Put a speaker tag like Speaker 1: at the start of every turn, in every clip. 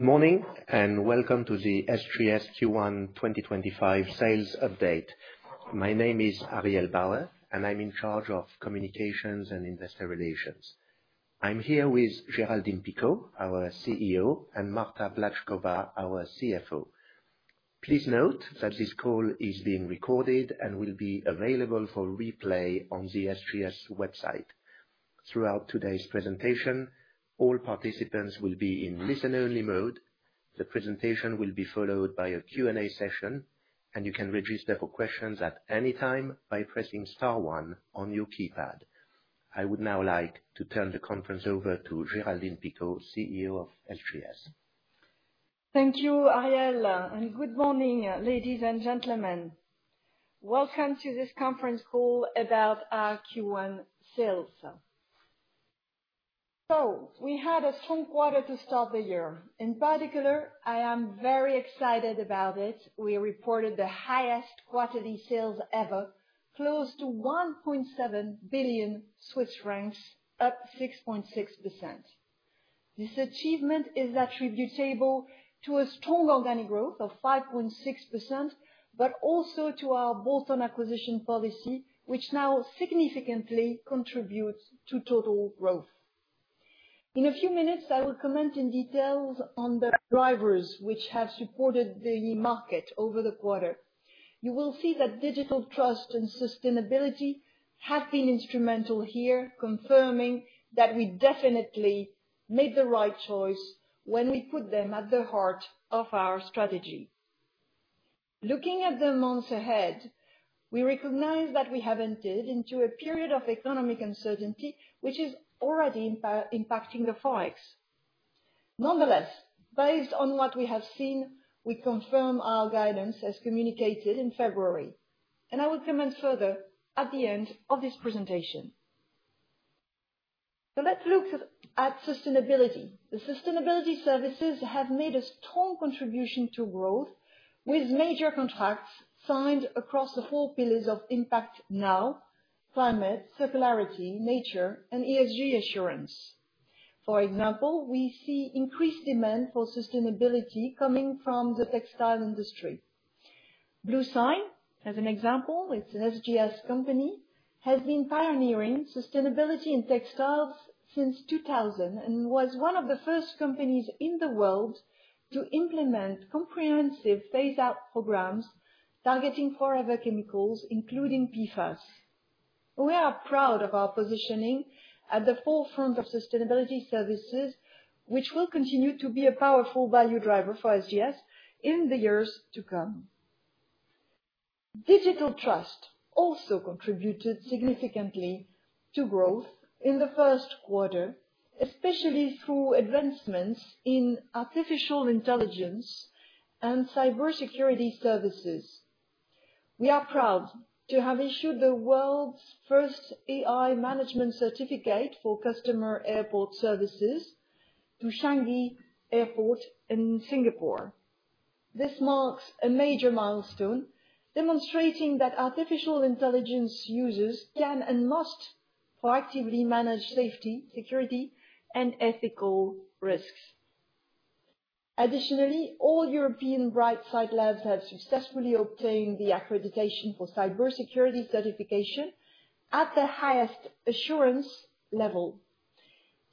Speaker 1: Good morning and welcome to the SGS Q1 2025 sales update. My name is Ariel Bauer, and I'm in charge of communications and investor relations. I'm here with Géraldine Picaud, our CEO, and Marta Vlatchkova, our CFO. Please note that this call is being recorded and will be available for replay on the SGS website. Throughout today's presentation, all participants will be in listen-only mode. The presentation will be followed by a Q&A session, and you can register for questions at any time by pressing star one on your keypad. I would now like to turn the conference over to Géraldine Picaud, CEO of SGS.
Speaker 2: Thank you, Ariel, and good morning, ladies and gentlemen. Welcome to this conference call about our Q1 sales. We had a strong quarter to start the year. In particular, I am very excited about it. We reported the highest quarterly sales ever, close to 1.7 billion Swiss francs, up 6.6%. This achievement is attributable to a strong organic growth of 5.6%, but also to our bolt-on acquisition policy, which now significantly contributes to total growth. In a few minutes, I will comment in detail on the drivers which have supported the market over the quarter. You will see that digital trust and sustainability have been instrumental here, confirming that we definitely made the right choice when we put them at the heart of our strategy. Looking at the months ahead, we recognize that we have entered into a period of economic uncertainty, which is already impacting the forex. Nonetheless, based on what we have seen, we confirm our guidance as communicated in February. I will comment further at the end of this presentation. Let's look at sustainability. The sustainability services have made a strong contribution to growth, with major contracts signed across the four pillars of impact now: climate, circularity, nature, and ESG assurance. For example, we see increased demand for sustainability coming from the textile industry. Bluesign, as an example, it's an SGS company, has been pioneering sustainability in textiles since 2000 and was one of the first companies in the world to implement comprehensive phase-out programs targeting forever chemicals, including PFAS. We are proud of our positioning at the forefront of sustainability services, which will continue to be a powerful value driver for SGS in the years to come. Digital trust also contributed significantly to growth in the first quarter, especially through advancements in artificial intelligence and cybersecurity services. We are proud to have issued the world's first AI management certificate for customer airport services to Changi Airport in Singapore. This marks a major milestone demonstrating that artificial intelligence users can and must proactively manage safety, security, and ethical risks. Additionally, all European Brightsight Labs have successfully obtained the accreditation for cybersecurity certification at the highest assurance level.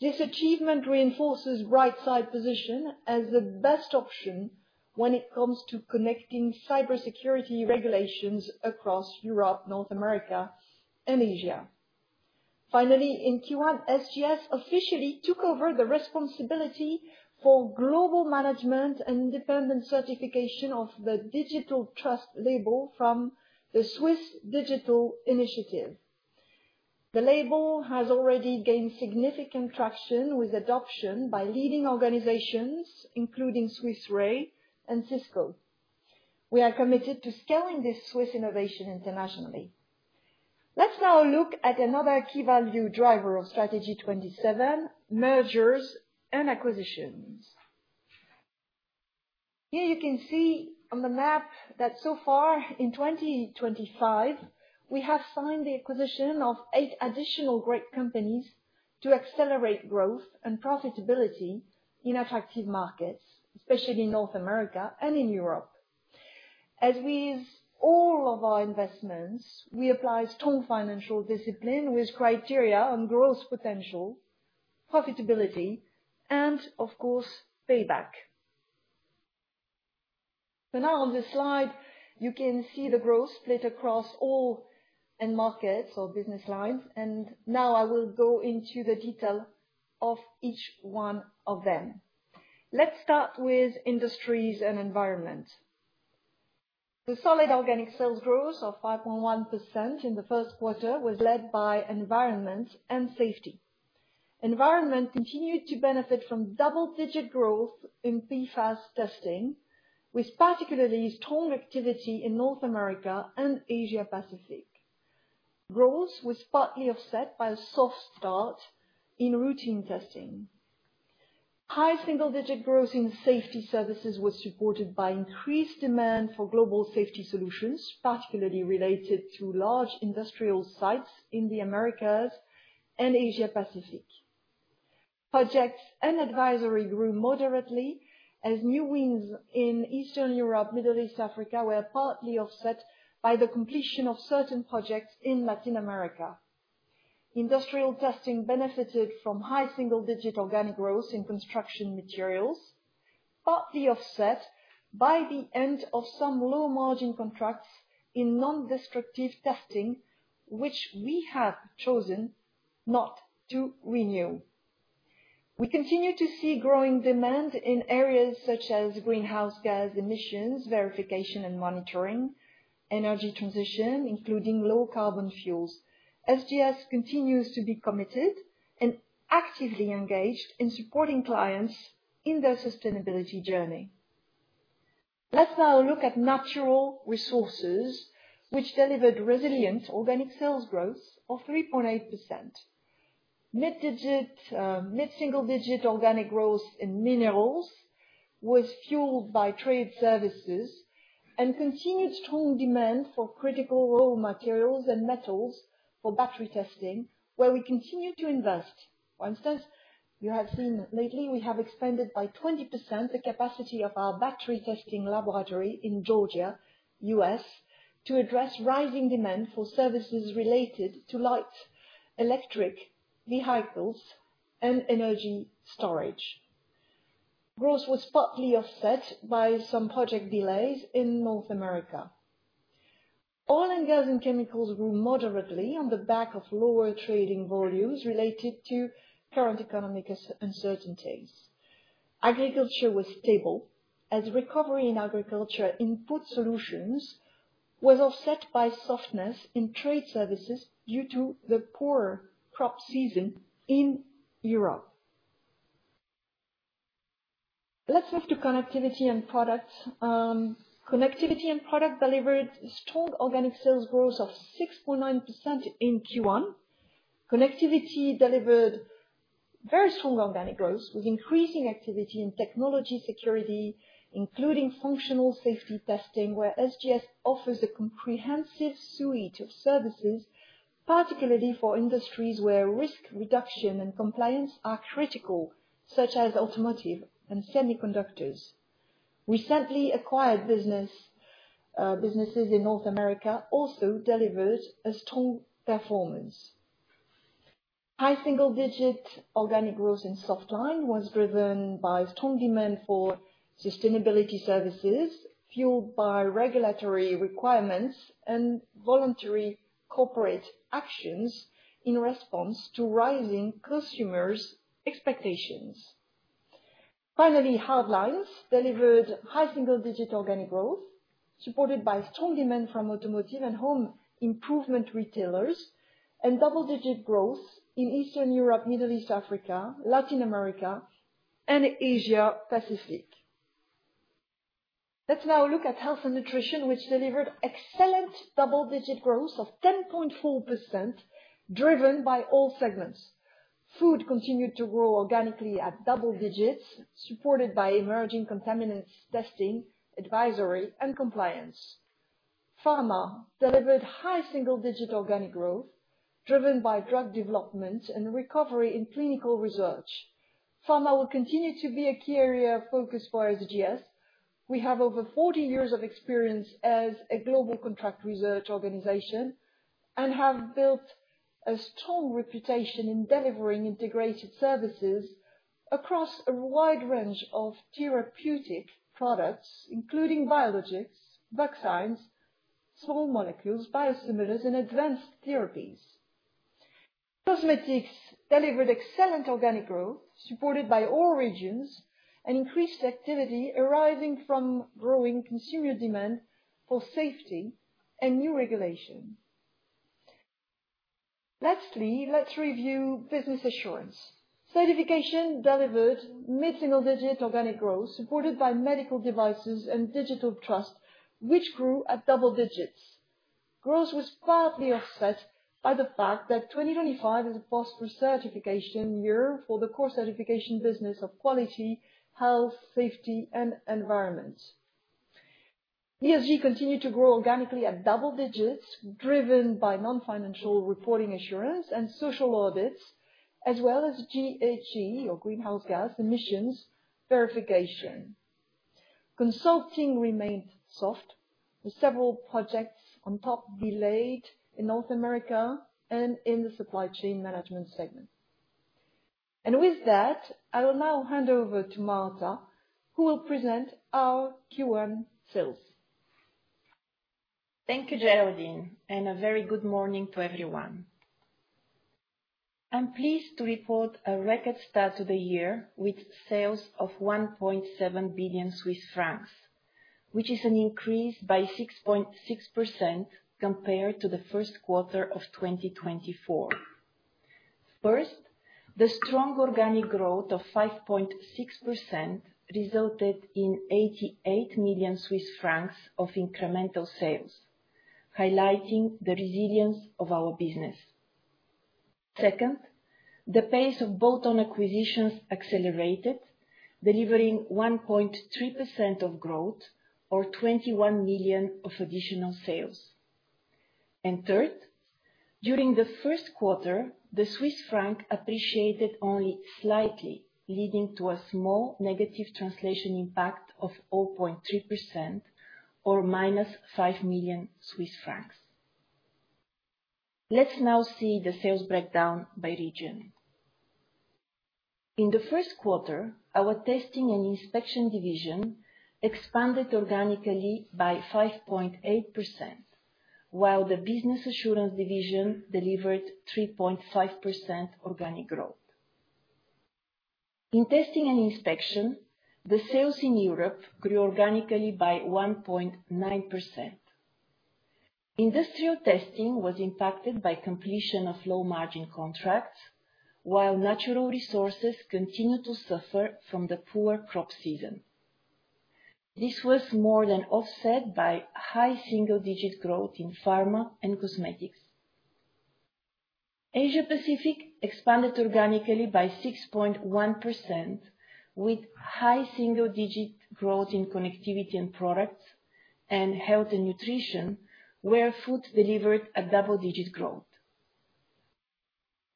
Speaker 2: This achievement reinforces Brightsight position as the best option when it comes to connecting cybersecurity regulations across Europe, North America, and Asia. Finally, in Q1, SGS officially took over the responsibility for global management and independent certification of the digital trust label from the Swiss Digital Initiative. The label has already gained significant traction with adoption by leading organizations, including Swiss Re and Cisco. We are committed to scaling this Swiss innovation internationally. Let's now look at another key value driver of Strategy 2027, mergers and acquisitions. Here you can see on the map that so far in 2025, we have signed the acquisition of eight additional great companies to accelerate growth and profitability in attractive markets, especially in North America and in Europe. As with all of our investments, we apply strong financial discipline with criteria on growth potential, profitability, and of course, payback. Now on this slide, you can see the growth split across all end markets or business lines. I will go into the detail of each one of them. Let's start with industries and environment. The solid organic sales growth of 5.1% in the first quarter was led by environment and safety. Environment continued to benefit from double-digit growth in PFAS testing, with particularly strong activity in North America and Asia-Pacific. Growth was partly offset by a soft start in routine testing. High single-digit growth in safety services was supported by increased demand for global safety solutions, particularly related to large industrial sites in the Americas and Asia-Pacific. Projects and advisory grew moderately as new wins in Eastern Europe, Middle East, and Africa were partly offset by the completion of certain projects in Latin America. Industrial testing benefited from high single-digit organic growth in construction materials, partly offset by the end of some low-margin contracts in non-destructive testing, which we have chosen not to renew. We continue to see growing demand in areas such as greenhouse gas emissions, verification and monitoring, energy transition, including low-carbon fuels. SGS continues to be committed and actively engaged in supporting clients in their sustainability journey. Let's now look at natural resources, which delivered resilient organic sales growth of 3.8%. Mid-single-digit organic growth in minerals was fueled by trade services and continued strong demand for critical raw materials and metals for battery testing, where we continue to invest. For instance, you have seen lately we have expanded by 20% the capacity of our battery testing laboratory in Georgia, US, to address rising demand for services related to light, electric, vehicles, and energy storage. Growth was partly offset by some project delays in North America. Oil and gas and chemicals grew moderately on the back of lower trading volumes related to current economic uncertainties. Agriculture was stable as recovery in agriculture input solutions was offset by softness in trade services due to the poorer crop season in Europe. Let's move to connectivity and products. Connectivity and product delivered strong organic sales growth of 6.9% in Q1. Connectivity delivered very strong organic growth with increasing activity in technology security, including functional safety testing, where SGS offers a comprehensive suite of services, particularly for industries where risk reduction and compliance are critical, such as automotive and semiconductors. Recently acquired businesses in North America also delivered a strong performance. High single-digit organic growth in Softline was driven by strong demand for sustainability services, fueled by regulatory requirements and voluntary corporate actions in response to rising consumers' expectations. Finally, Hardlines delivered high single-digit organic growth, supported by strong demand from automotive and home improvement retailers, and double-digit growth in Eastern Europe, Middle East, Africa, Latin America, and Asia-Pacific. Let's now look at health and nutrition, which delivered excellent double-digit growth of 10.4%, driven by all segments. Food continued to grow organically at double digits, supported by emerging contaminants testing, advisory, and compliance. Pharma delivered high single-digit organic growth, driven by drug development and recovery in clinical research. Pharma will continue to be a key area of focus for SGS. We have over 40 years of experience as a global contract research organization and have built a strong reputation in delivering integrated services across a wide range of therapeutic products, including biologics, vaccines, small molecules, biosimilars, and advanced therapies. Cosmetics delivered excellent organic growth, supported by all regions and increased activity arising from growing consumer demand for safety and new regulation. Lastly, let's review business assurance. Certification delivered mid-single-digit organic growth, supported by medical devices and digital trust, which grew at double digits. Growth was partly offset by the fact that 2025 is a pause for certification year for the core certification business of quality, health, safety, and environment. ESG continued to grow organically at double digits, driven by non-financial reporting assurance and social audits, as well as GHG, or greenhouse gas emissions verification. Consulting remained soft, with several projects on top delayed in North America and in the supply chain management segment. With that, I will now hand over to Marta, who will present our Q1 sales.
Speaker 3: Thank you, Géraldine, and a very good morning to everyone. I'm pleased to report a record start to the year with sales of 1.7 billion Swiss francs, which is an increase by 6.6% compared to the first quarter of 2024. First, the strong organic growth of 5.6% resulted in 88 million Swiss francs of incremental sales, highlighting the resilience of our business. Second, the pace of bolt-on acquisitions accelerated, delivering 1.3% of growth, or 21 million of additional sales. Third, during the first quarter, the Swiss franc appreciated only slightly, leading to a small negative translation impact of 0.3%, or CHF -5 million. Let's now see the sales breakdown by region. In the first quarter, our testing and inspection division expanded organically by 5.8%, while the business assurance division delivered 3.5% organic growth. In testing and inspection, the sales in Europe grew organically by 1.9%. Industrial testing was impacted by completion of low-margin contracts, while natural resources continued to suffer from the poor crop season. This was more than offset by high single-digit growth in pharma and cosmetics. Asia-Pacific expanded organically by 6.1%, with high single-digit growth in connectivity and products and health and nutrition, where food delivered a double-digit growth.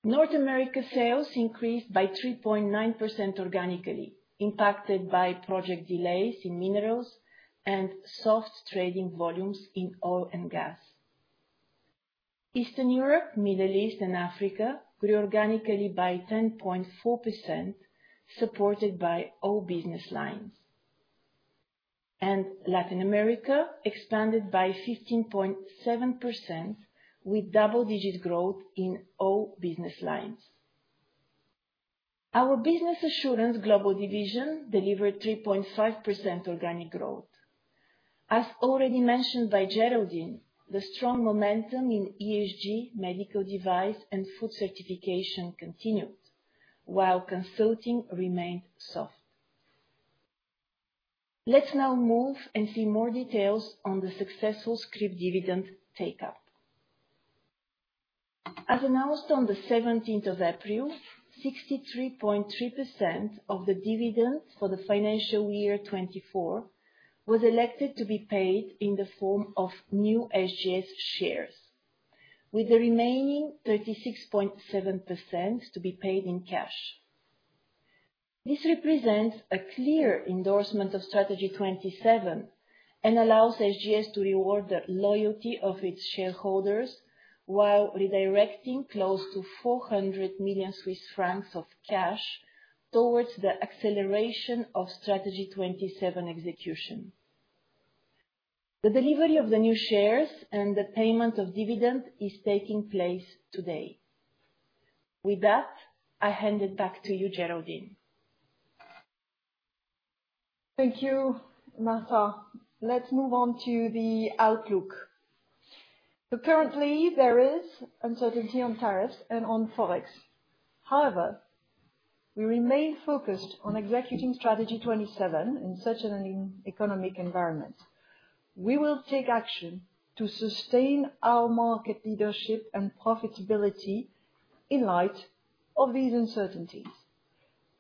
Speaker 3: North America sales increased by 3.9% organically, impacted by project delays in minerals and soft trading volumes in oil and gas. Eastern Europe, Middle East, and Africa grew organically by 10.4%, supported by all business lines. Latin America expanded by 15.7%, with double-digit growth in all business lines. Our Business Assurance global division delivered 3.5% organic growth. As already mentioned by Géraldine, the strong momentum in ESG, medical device, and food certification continued, while consulting remained soft. Let's now move and see more details on the successful scrip dividend take-up. As announced on the 17th of April, 63.3% of the dividend for the financial year 2024 was elected to be paid in the form of new SGS shares, with the remaining 36.7% to be paid in cash. This represents a clear endorsement of Strategy 2027 and allows SGS to reward the loyalty of its shareholders while redirecting close to 400 million Swiss francs of cash towards the acceleration of Strategy 2027 execution. The delivery of the new shares and the payment of dividend is taking place today. With that, I hand it back to you, Géraldine.
Speaker 2: Thank you, Marta. Let's move on to the outlook. Currently, there is uncertainty on tariffs and on forex. However, we remain focused on executing Strategy 2027 in such an economic environment. We will take action to sustain our market leadership and profitability in light of these uncertainties.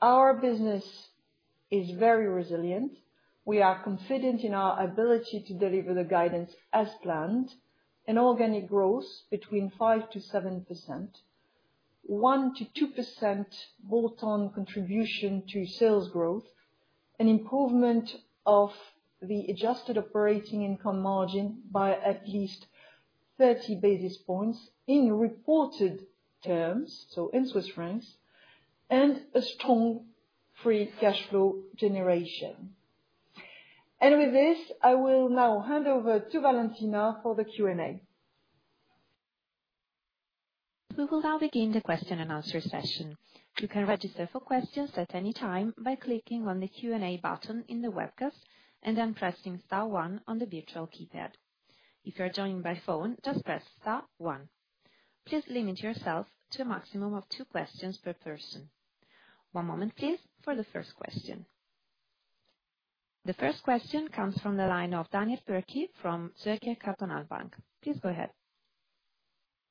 Speaker 2: Our business is very resilient. We are confident in our ability to deliver the guidance as planned, an organic growth between 5%-7%, 1%-2% bolt-on contribution to sales growth, an improvement of the adjusted operating income margin by at least 30 basis points in reported terms, in CHF, and a strong free cash flow generation. With this, I will now hand over to Valentina for the Q&A.
Speaker 4: We will now begin the question and answer session. You can register for questions at any time by clicking on the Q&A button in the webcast and then pressing star one on the virtual keypad. If you're joining by phone, just press star one. Please limit yourself to a maximum of two questions per person. One moment, please, for the first question. The first question comes from the line of Daniel Bürki from Zürcher Kantonalbank. Please go ahead.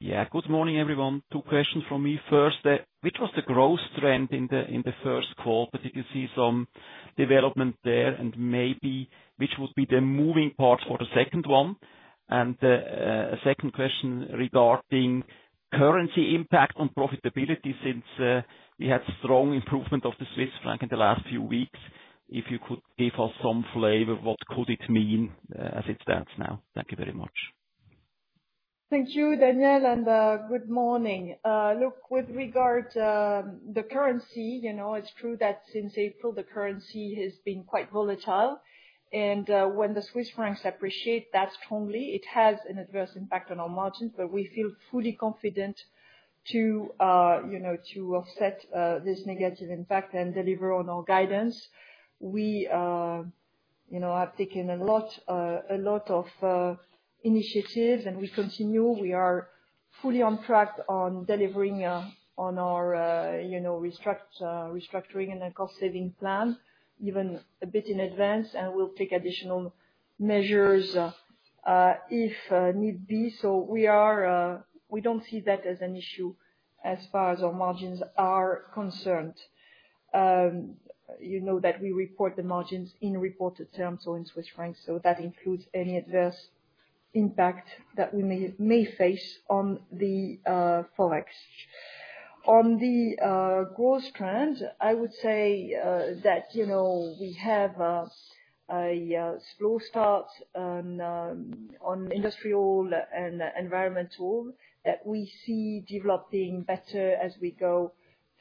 Speaker 5: Yeah, good morning, everyone. Two questions from me. First, which was the growth trend in the first quarter? Did you see some development there? Maybe which would be the moving parts for the second one? A second question regarding currency impact on profitability since we had strong improvement of the Swiss franc in the last few weeks. If you could give us some flavor, what could it mean as it stands now? Thank you very much.
Speaker 2: Thank you, Daniel, and good morning. Look, with regard to the currency, it's true that since April, the currency has been quite volatile. When the Swiss francs appreciate that strongly, it has an adverse impact on our margins. We feel fully confident to offset this negative impact and deliver on our guidance. We have taken a lot of initiatives, and we continue. We are fully on track on delivering on our restructuring and the cost-saving plan, even a bit in advance, and we'll take additional measures if need be. We don't see that as an issue as far as our margins are concerned. You know that we report the margins in reported terms, in Swiss francs, so that includes any adverse impact that we may face on the forex. On the growth trend, I would say that we have a slow start on industrial and environmental that we see developing better as we go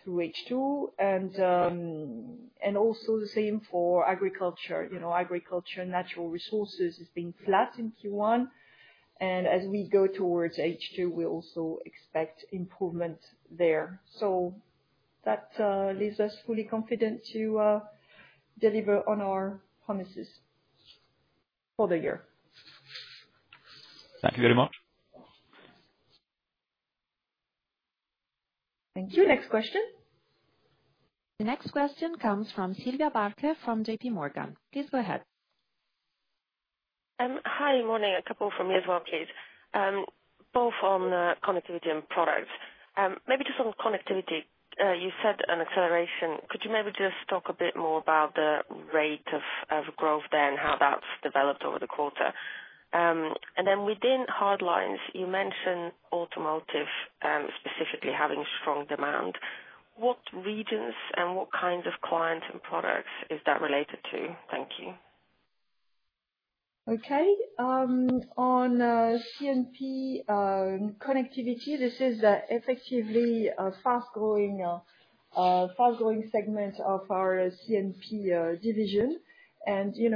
Speaker 2: through H2. Also the same for agriculture. Agriculture, natural resources has been flat in Q1. As we go towards H2, we also expect improvement there. That leaves us fully confident to deliver on our promises for the year.
Speaker 5: Thank you very much.
Speaker 2: Thank you. Next question.
Speaker 4: The next question comes from Sylvia Barker from J.P. Morgan. Please go ahead.
Speaker 6: Hi, good morning. A couple from me as well, please. Both on connectivity and products. Maybe just on connectivity, you said an acceleration. Could you maybe just talk a bit more about the rate of growth there and how that's developed over the quarter? Within Hardlines, you mentioned automotive specifically having strong demand. What regions and what kinds of clients and products is that related to? Thank you.
Speaker 2: Okay. On C&P connectivity, this is effectively a fast-growing segment of our C&P division.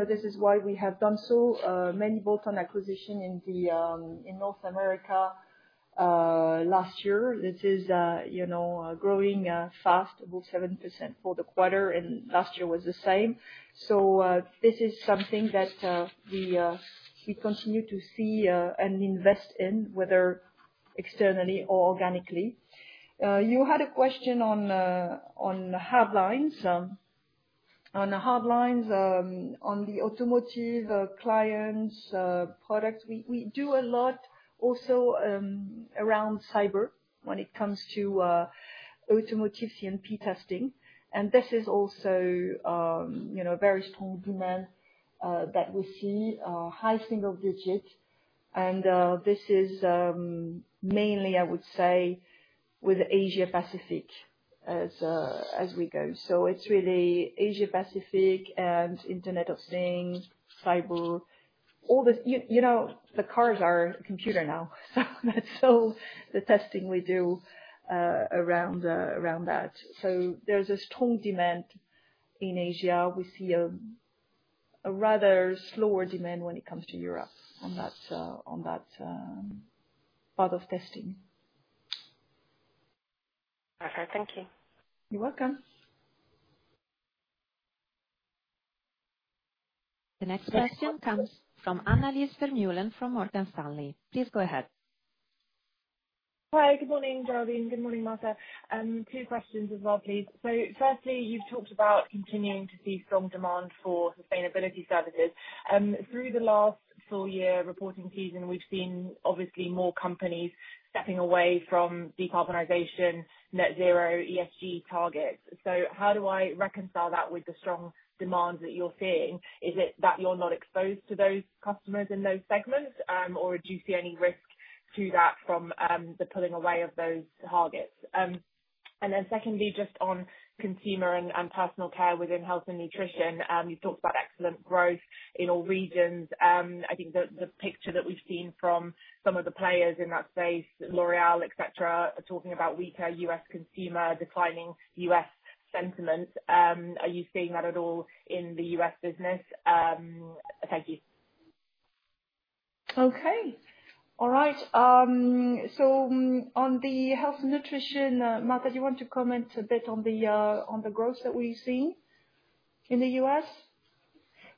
Speaker 2: This is why we have done so many bolt-on acquisitions in North America last year. This is growing fast, about 7% for the quarter, and last year was the same. This is something that we continue to see and invest in, whether externally or organically. You had a question on Hardlines. On the Hardlines, on the automotive clients' products, we do a lot also around cyber when it comes to automotive C&P testing. This is also a very strong demand that we see, high single digit. This is mainly, I would say, with Asia-Pacific as we go. It is really Asia-Pacific and Internet of Things, cyber. The cars are a computer now, so that is the testing we do around that. There is a strong demand in Asia. We see a rather slower demand when it comes to Europe on that part of testing.
Speaker 6: Okay, thank you.
Speaker 2: You're welcome.
Speaker 4: The next question comes from Annelies Vermeulen from Morgan Stanley. Please go ahead.
Speaker 7: Hi, good morning, Géraldine. Good morning, Marta. Two questions as well, please. Firstly, you've talked about continuing to see strong demand for sustainability services. Through the last full year reporting season, we've seen obviously more companies stepping away from decarbonization, net zero, ESG targets. How do I reconcile that with the strong demand that you're seeing? Is it that you're not exposed to those customers in those segments, or do you see any risk to that from the pulling away of those targets? Secondly, just on consumer and personal care within health and nutrition, you've talked about excellent growth in all regions. I think the picture that we've seen from some of the players in that space, L'Oréal, etc., are talking about weaker U.S. consumer, declining U.S. sentiment. Are you seeing that at all in the U.S. business? Thank you.
Speaker 2: Okay. All right. On the health and nutrition, Marta, do you want to comment a bit on the growth that we've seen in the US?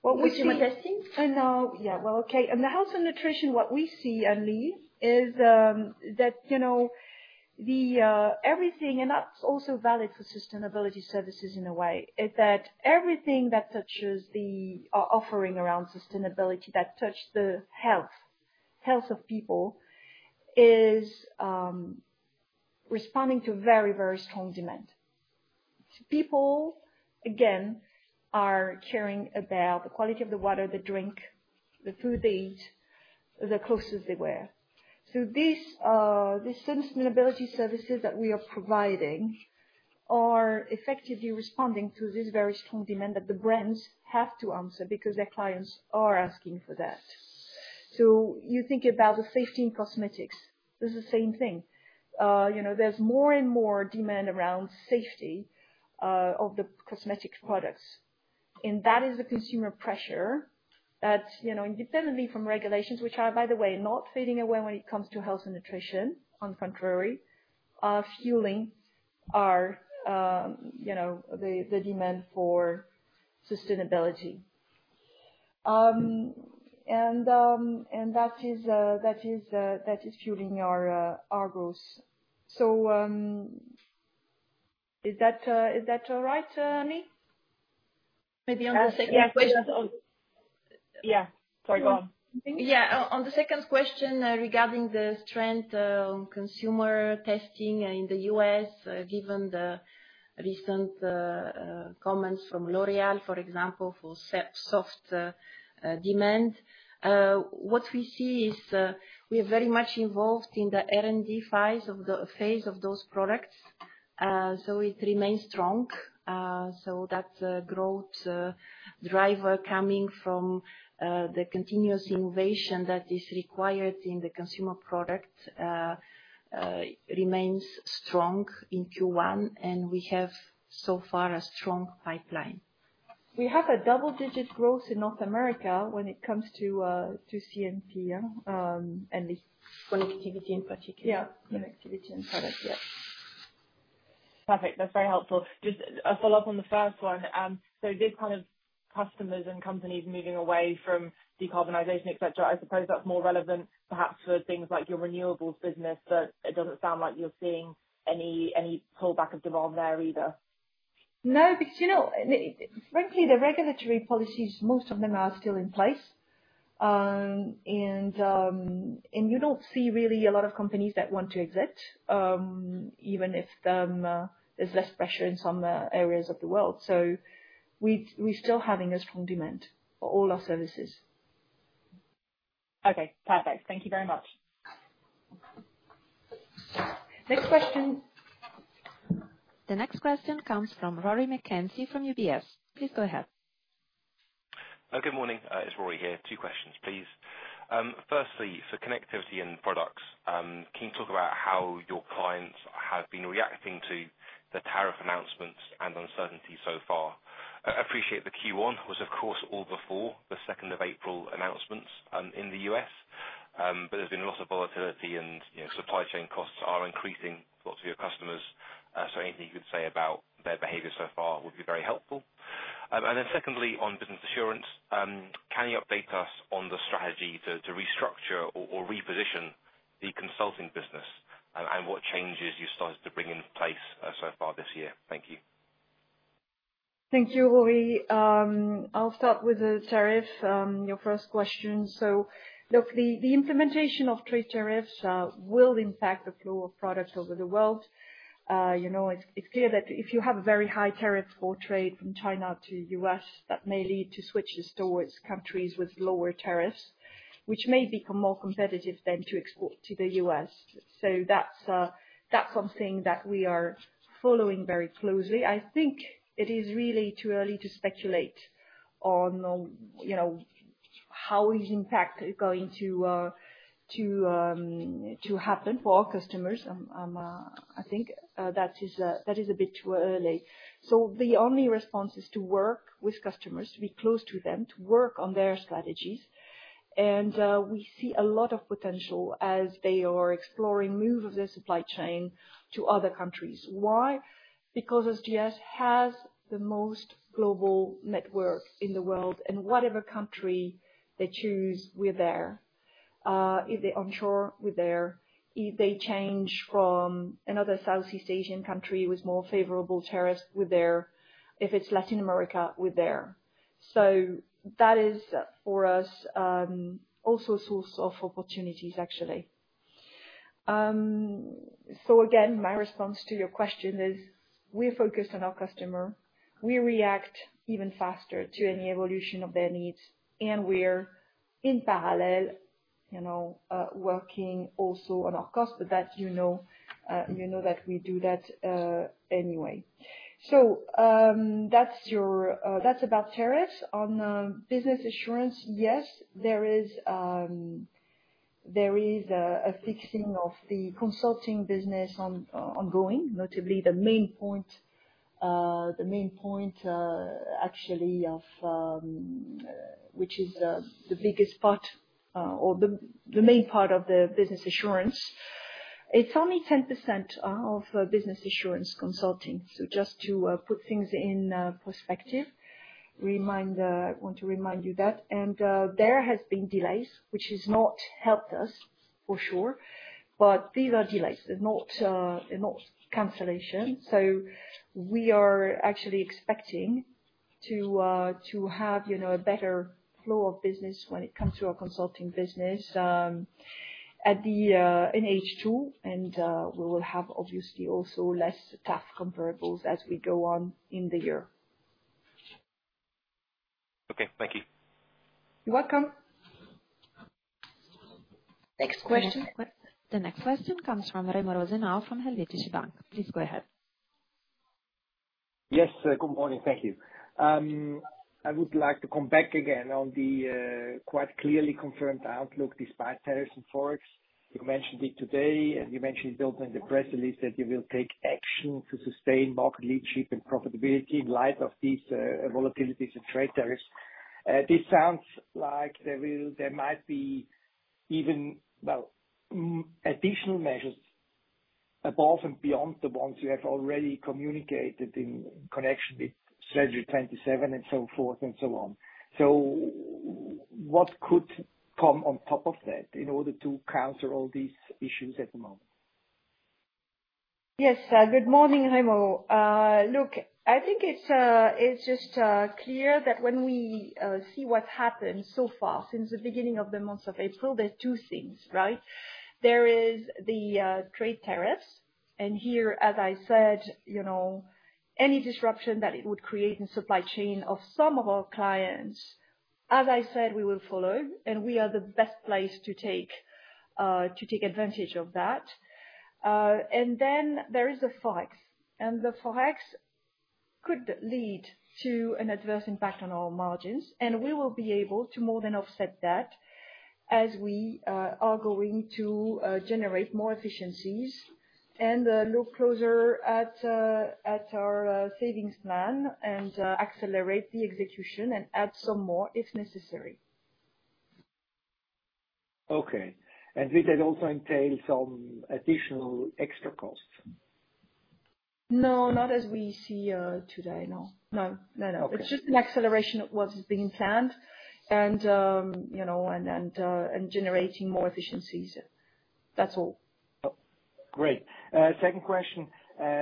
Speaker 7: What would you be testing?
Speaker 2: Yeah, okay. In the health and nutrition, what we see and believe is that everything—and that's also valid for sustainability services in a way—is that everything that touches the offering around sustainability that touches the health of people is responding to very, very strong demand. People, again, are caring about the quality of the water, the drink, the food they eat, the clothes they wear. These sustainability services that we are providing are effectively responding to this very strong demand that the brands have to answer because their clients are asking for that. You think about the safety in cosmetics. This is the same thing. There is more and more demand around safety of the cosmetic products. That is the consumer pressure that, independently from regulations, which are, by the way, not fading away when it comes to health and nutrition, on the contrary, are fueling the demand for sustainability. That is fueling our growth. Is that all right, Annie? Maybe on the second question.
Speaker 7: Yeah, sorry, go on.
Speaker 3: Yeah, on the second question regarding the strength of consumer testing in the U.S., given the recent comments from L'Oréal, for example, for soft demand, what we see is we are very much involved in the R&D phase of those products. It remains strong. That growth driver coming from the continuous innovation that is required in the consumer product remains strong in Q1, and we have so far a strong pipeline. We have double-digit growth in North America when it comes to C&P and connectivity in particular.
Speaker 7: Yeah, connectivity and products, yes.
Speaker 6: Perfect. That's very helpful. Just a follow-up on the first one. These kind of customers and companies moving away from decarbonization, etc., I suppose that's more relevant perhaps for things like your renewables business, but it doesn't sound like you're seeing any pullback of demand there either.
Speaker 2: No, because frankly, the regulatory policies, most of them are still in place. You do not see really a lot of companies that want to exit, even if there is less pressure in some areas of the world. We are still having a strong demand for all our services.
Speaker 6: Okay, perfect. Thank you very much.
Speaker 2: Next question.
Speaker 4: The next question comes from Rory McKenzie from UBS. Please go ahead.
Speaker 8: Good morning. It's Rory here. Two questions, please. Firstly, for connectivity and products, can you talk about how your clients have been reacting to the tariff announcements and uncertainty so far? I appreciate the Q1 was, of course, all before the 2nd of April announcements in the U.S., but there's been lots of volatility, and supply chain costs are increasing for lots of your customers. Anything you could say about their behavior so far would be very helpful. Secondly, on business assurance, can you update us on the strategy to restructure or reposition the consulting business, and what changes you've started to bring in place so far this year? Thank you.
Speaker 2: Thank you, Rory. I'll start with the tariff, your first question. The implementation of trade tariffs will impact the flow of products over the world. It's clear that if you have a very high tariff for trade from China to the US, that may lead to switches towards countries with lower tariffs, which may become more competitive than to export to the US. That's something that we are following very closely. I think it is really too early to speculate on how these impacts are going to happen for our customers. I think that is a bit too early. The only response is to work with customers, to be close to them, to work on their strategies. We see a lot of potential as they are exploring moves of their supply chain to other countries. Why? Because SGS has the most global network in the world, and whatever country they choose, we're there. If they onshore, we're there. If they change from another Southeast Asian country with more favorable tariffs, we're there. If it's Latin America, we're there. That is, for us, also a source of opportunities, actually. Again, my response to your question is we're focused on our customer. We react even faster to any evolution of their needs, and we're, in parallel, working also on our costs, but you know that we do that anyway. That's about tariffs. On business assurance, yes, there is a fixing of the consulting business ongoing, notably the main point, actually, which is the biggest part or the main part of the business assurance. It's only 10% of business assurance consulting. Just to put things in perspective, I want to remind you that. There have been delays, which has not helped us, for sure, but these are delays. They're not cancellations. We are actually expecting to have a better flow of business when it comes to our consulting business in H2, and we will have, obviously, also less TAF comparables as we go on in the year.
Speaker 8: Okay, thank you.
Speaker 1: You're welcome. Next question.
Speaker 4: The next question comes from Remo Rosenau from Helvetische Bank. Please go ahead.
Speaker 9: Yes, good morning. Thank you. I would like to come back again on the quite clearly confirmed outlook despite tariffs and forks. You mentioned it today, and you mentioned it also in the press release that you will take action to sustain market leadership and profitability in light of these volatilities in trade tariffs. This sounds like there might be even additional measures above and beyond the ones you have already communicated in connection with Strategy 2027 and so forth and so on. What could come on top of that in order to counter all these issues at the moment?
Speaker 2: Yes, good morning, Remo. Look, I think it's just clear that when we see what's happened so far since the beginning of the month of April, there are two things, right? There is the trade tariffs. Here, as I said, any disruption that it would create in the supply chain of some of our clients, as I said, we will follow, and we are the best placed to take advantage of that. There is the forex. The forex could lead to an adverse impact on our margins, and we will be able to more than offset that as we are going to generate more efficiencies and look closer at our savings plan and accelerate the execution and add some more if necessary.
Speaker 9: Did that also entail some additional extra costs?
Speaker 2: No, not as we see today, no. No, no, no. It's just an acceleration of what is being planned and generating more efficiencies. That's all.
Speaker 9: Great. Second question.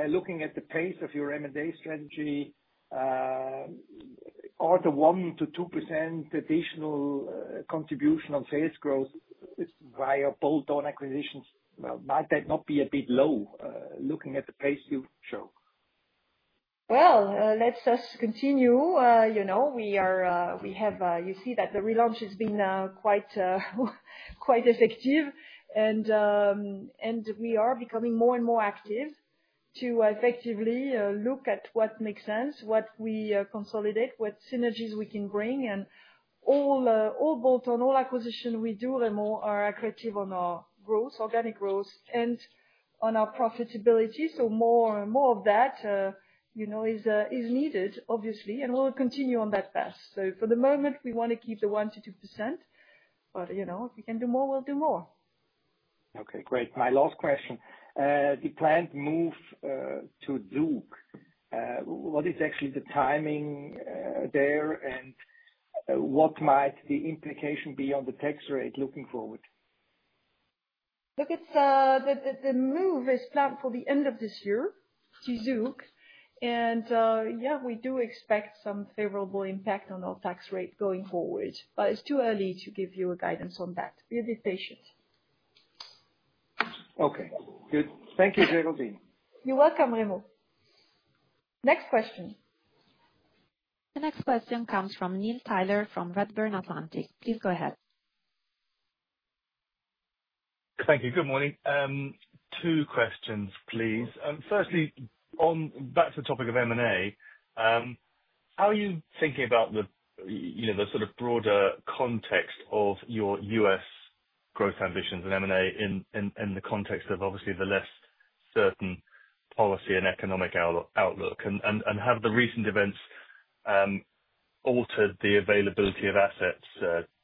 Speaker 9: Looking at the pace of your M&A strategy, are the 1-2% additional contribution on sales growth via bolt-on acquisitions, might that not be a bit low looking at the pace you show?
Speaker 2: Let's just continue. You see that the relaunch has been quite effective, and we are becoming more and more active to effectively look at what makes sense, what we consolidate, what synergies we can bring. All bolt-on, all acquisitions we do, Remo, are accretive on our growth, organic growth, and on our profitability. More and more of that is needed, obviously, and we'll continue on that path. For the moment, we want to keep the 1-2%, but if we can do more, we'll do more.
Speaker 9: Okay, great. My last question. The planned move to Zug, what is actually the timing there, and what might the implication be on the tax rate looking forward?
Speaker 2: Look, the move is planned for the end of this year to Zug, and yeah, we do expect some favorable impact on our tax rate going forward, but it's too early to give you guidance on that. Be a bit patient.
Speaker 9: Okay. Good. Thank you, Géraldine.
Speaker 2: You're welcome, Remo. Next question.
Speaker 4: The next question comes from Neil Tyler from Redburn Atlantic. Please go ahead.
Speaker 10: Thank you. Good morning. Two questions, please. Firstly, back to the topic of M&A, how are you thinking about the sort of broader context of your U.S. growth ambitions and M&A in the context of, obviously, the less certain policy and economic outlook, and have the recent events altered the availability of assets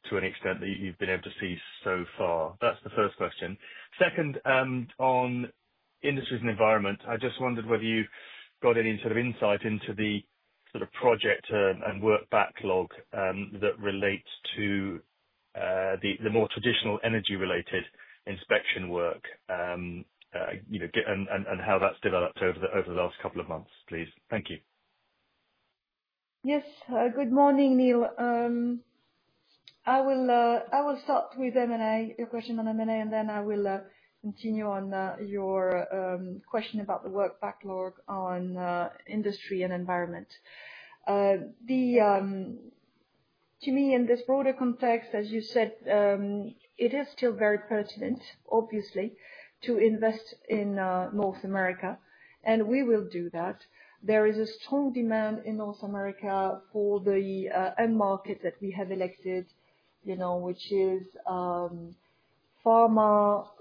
Speaker 10: to an extent that you've been able to see so far? That's the first question. Second, on industries and environment, I just wondered whether you've got any sort of insight into the sort of project and work backlog that relates to the more traditional energy-related inspection work and how that's developed over the last couple of months, please. Thank you.
Speaker 2: Yes. Good morning, Neil. I will start with M&A, your question on M&A, and then I will continue on your question about the work backlog on industry and environment. To me, in this broader context, as you said, it is still very pertinent, obviously, to invest in North America, and we will do that. There is a strong demand in North America for the end market that we have elected, which is pharma,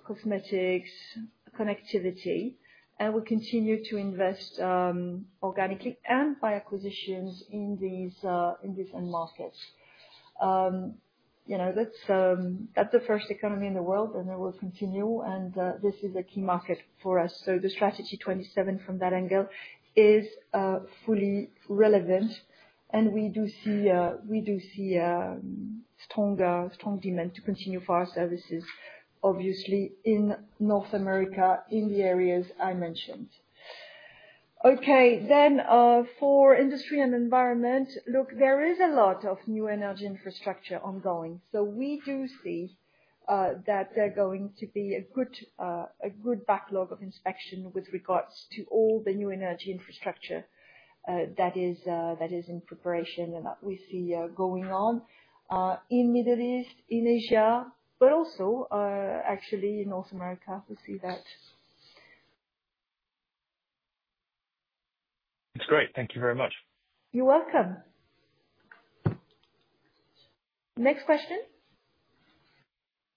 Speaker 2: cosmetics, connectivity, and we continue to invest organically and by acquisitions in these end markets. That is the first economy in the world, and it will continue, and this is a key market for us. The Strategy 2027 from that angle is fully relevant, and we do see strong demand to continue for our services, obviously, in North America in the areas I mentioned. Okay, then for industry and environment, look, there is a lot of new energy infrastructure ongoing. We do see that there's going to be a good backlog of inspection with regards to all the new energy infrastructure that is in preparation and that we see going on in the Middle East, in Asia, but also actually in North America we see that.
Speaker 10: That's great. Thank you very much.
Speaker 2: You're welcome. Next question.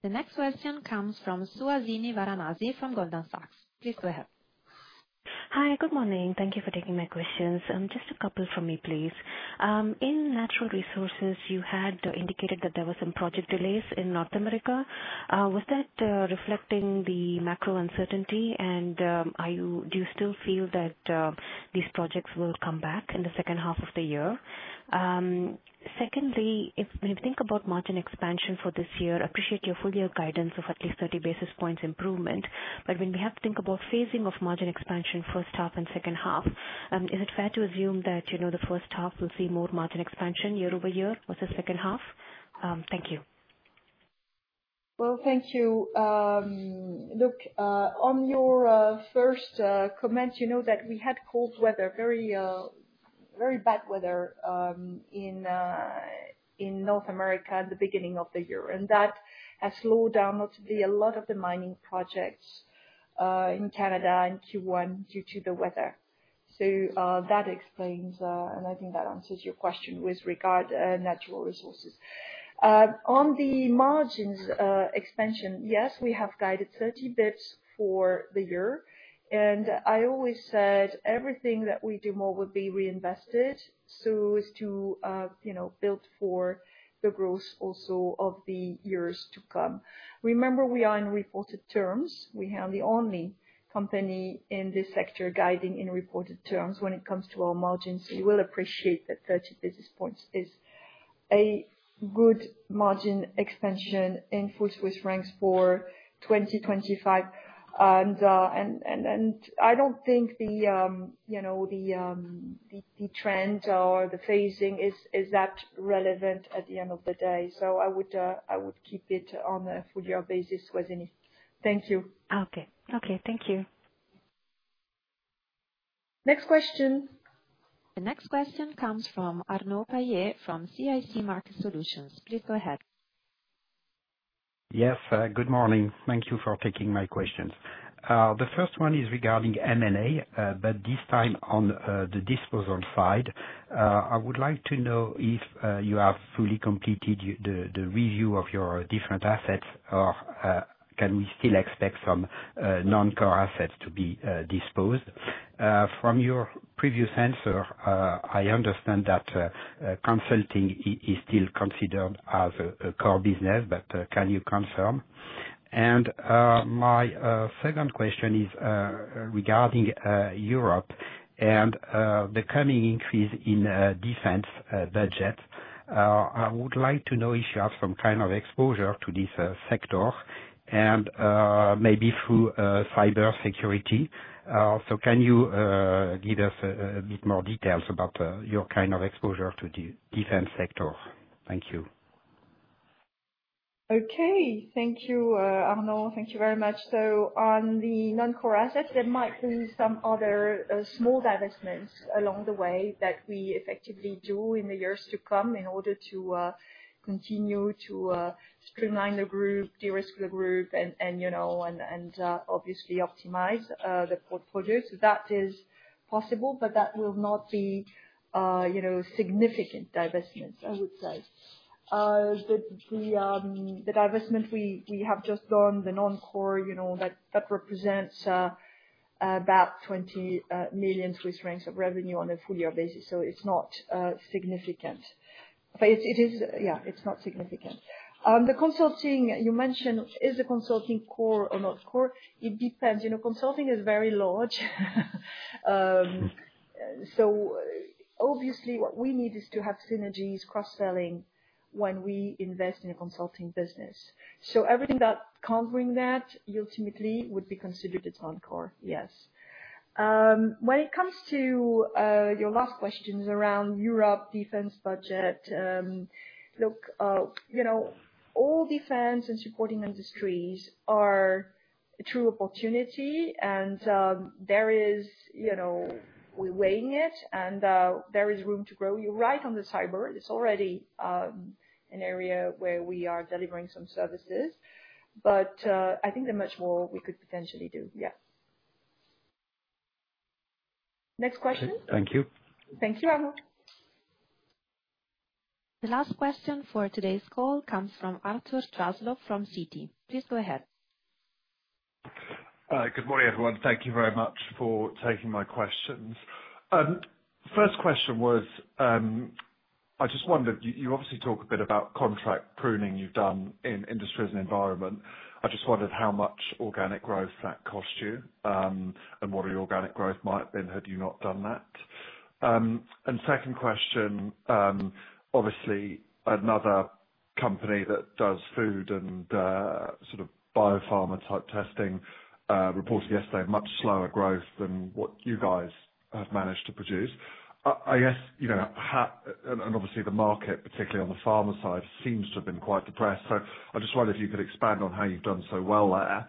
Speaker 4: The next question comes from Suhasini Varanasi from Goldman Sachs. Please go ahead.
Speaker 11: Hi, good morning. Thank you for taking my questions. Just a couple from me, please. In natural resources, you had indicated that there were some project delays in North America. Was that reflecting the macro uncertainty, and do you still feel that these projects will come back in the second half of the year? Secondly, if we think about margin expansion for this year, I appreciate your full guidance of at least 30 basis points improvement, but when we have to think about phasing of margin expansion first half and second half, is it fair to assume that the first half will see more margin expansion year over year versus second half? Thank you.
Speaker 2: Thank you. Look, on your first comment, you know that we had cold weather, very bad weather in North America at the beginning of the year, and that has slowed down, ultimately, a lot of the mining projects in Canada and Q1 due to the weather. That explains, and I think that answers your question with regard to natural resources. On the margins expansion, yes, we have guided 30 basis points for the year, and I always said everything that we do more would be reinvested so as to build for the growth also of the years to come. Remember, we are in reported terms. We are the only company in this sector guiding in reported terms when it comes to our margins, so you will appreciate that 30 basis points is a good margin expansion in full CHF for 2025. I don't think the trend or the phasing is that relevant at the end of the day, so I would keep it on a full year basis, Suhasini. Thank you.
Speaker 11: Okay. Okay. Thank you.
Speaker 2: Next question.
Speaker 4: The next question comes from Arnaud Palliez from CIC Market Solutions. Please go ahead.
Speaker 12: Yes, good morning. Thank you for taking my questions. The first one is regarding M&A, but this time on the disposal side. I would like to know if you have fully completed the review of your different assets, or can we still expect some non-core assets to be disposed? From your previous answer, I understand that consulting is still considered as a core business, but can you confirm? My second question is regarding Europe and the coming increase in defense budget. I would like to know if you have some kind of exposure to this sector and maybe through cybersecurity. Can you give us a bit more details about your kind of exposure to the defense sector? Thank you.
Speaker 2: Okay. Thank you, Arnaud. Thank you very much. On the non-core assets, there might be some other small divestments along the way that we effectively do in the years to come in order to continue to streamline the group, de-risk the group, and obviously optimize the portfolio. That is possible, but that will not be significant divestments, I would say. The divestment we have just done, the non-core, that represents about 20 million Swiss francs of revenue on a full year basis, so it is not significant. Yeah, it is not significant. The consulting, you mentioned, is the consulting core or not core? It depends. Consulting is very large, so obviously, what we need is to have synergies, cross-selling when we invest in a consulting business. Everything that cannot bring that, ultimately, would be considered as non-core, yes. When it comes to your last questions around Europe, defense budget, look, all defense and supporting industries are a true opportunity, and we're weighing it, and there is room to grow. You're right on the cyber. It's already an area where we are delivering some services, but I think there's much more we could potentially do, yeah. Next question.
Speaker 12: Thank you.
Speaker 2: Thank you, Arnaud.
Speaker 4: The last question for today's call comes from Arthur Truslove from Citi. Please go ahead.
Speaker 13: Good morning, everyone. Thank you very much for taking my questions. First question was, I just wondered, you obviously talk a bit about contract pruning you've done in Industries and Environment. I just wondered how much organic growth that cost you and what your organic growth might have been had you not done that. Second question, obviously, another company that does food and sort of biopharma type testing reported yesterday much slower growth than what you guys have managed to produce. I guess, and obviously, the market, particularly on the pharma side, seems to have been quite depressed, so I just wondered if you could expand on how you've done so well there.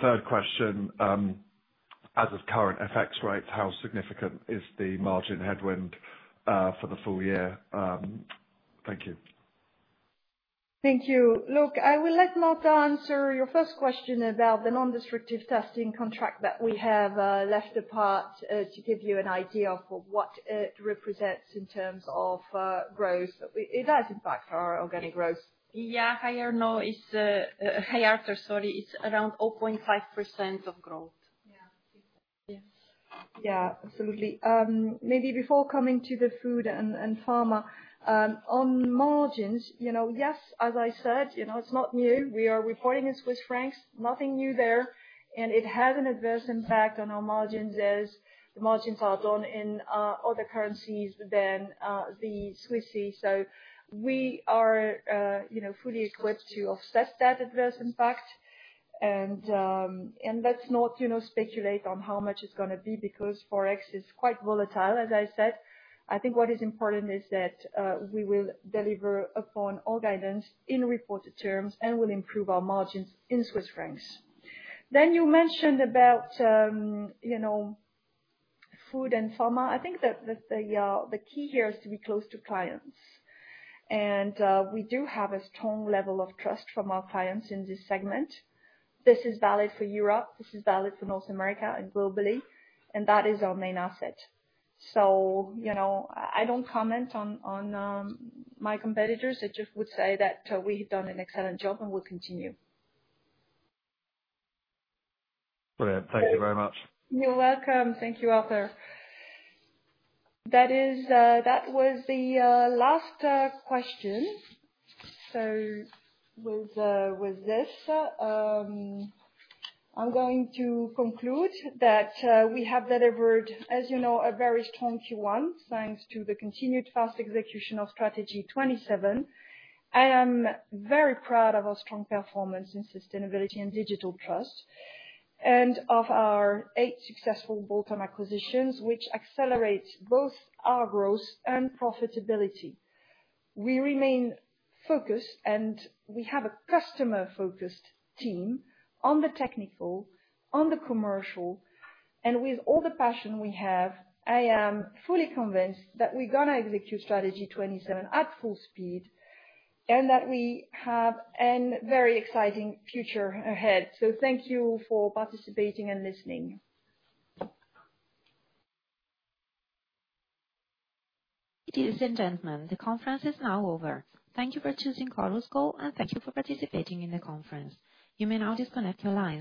Speaker 13: Third question, as of current FX rates, how significant is the margin headwind for the full year? Thank you.
Speaker 2: Thank you. Look, I will let Marta answer your first question about the non-destructive testing contract that we have left apart to give you an idea of what it represents in terms of growth. It does, in fact, for our organic growth.
Speaker 3: Yeah, higher now. It's higher, Arthur, sorry. It's around 0.5% of growth.
Speaker 2: Yeah, absolutely. Maybe before coming to the food and pharma, on margins, yes, as I said, it's not new. We are reporting in Swiss francs. Nothing new there, and it has an adverse impact on our margins as the margins are done in other currencies than the Swissie. We are fully equipped to offset that adverse impact, and let's not speculate on how much it's going to be because Forex is quite volatile, as I said. I think what is important is that we will deliver upon all guidance in reported terms and will improve our margins in Swiss francs. You mentioned about food and pharma. I think that the key here is to be close to clients, and we do have a strong level of trust from our clients in this segment. This is valid for Europe. This is valid for North America and globally, and that is our main asset. I do not comment on my competitors. I just would say that we have done an excellent job and will continue.
Speaker 13: Brilliant. Thank you very much.
Speaker 2: You're welcome. Thank you, Arthur. That was the last question. With this, I'm going to conclude that we have delivered, as you know, a very strong Q1 thanks to the continued fast execution of Strategy 2027. I am very proud of our strong performance in sustainability and digital trust and of our eight successful bolt-on acquisitions, which accelerates both our growth and profitability. We remain focused, and we have a customer-focused team on the technical, on the commercial, and with all the passion we have, I am fully convinced that we're going to execute Strategy 2027 at full speed and that we have a very exciting future ahead. Thank you for participating and listening.
Speaker 4: It is in, gentlemen. The conference is now over. Thank you for choosing Chorus Call, and thank you for participating in the conference. You may now disconnect your lines.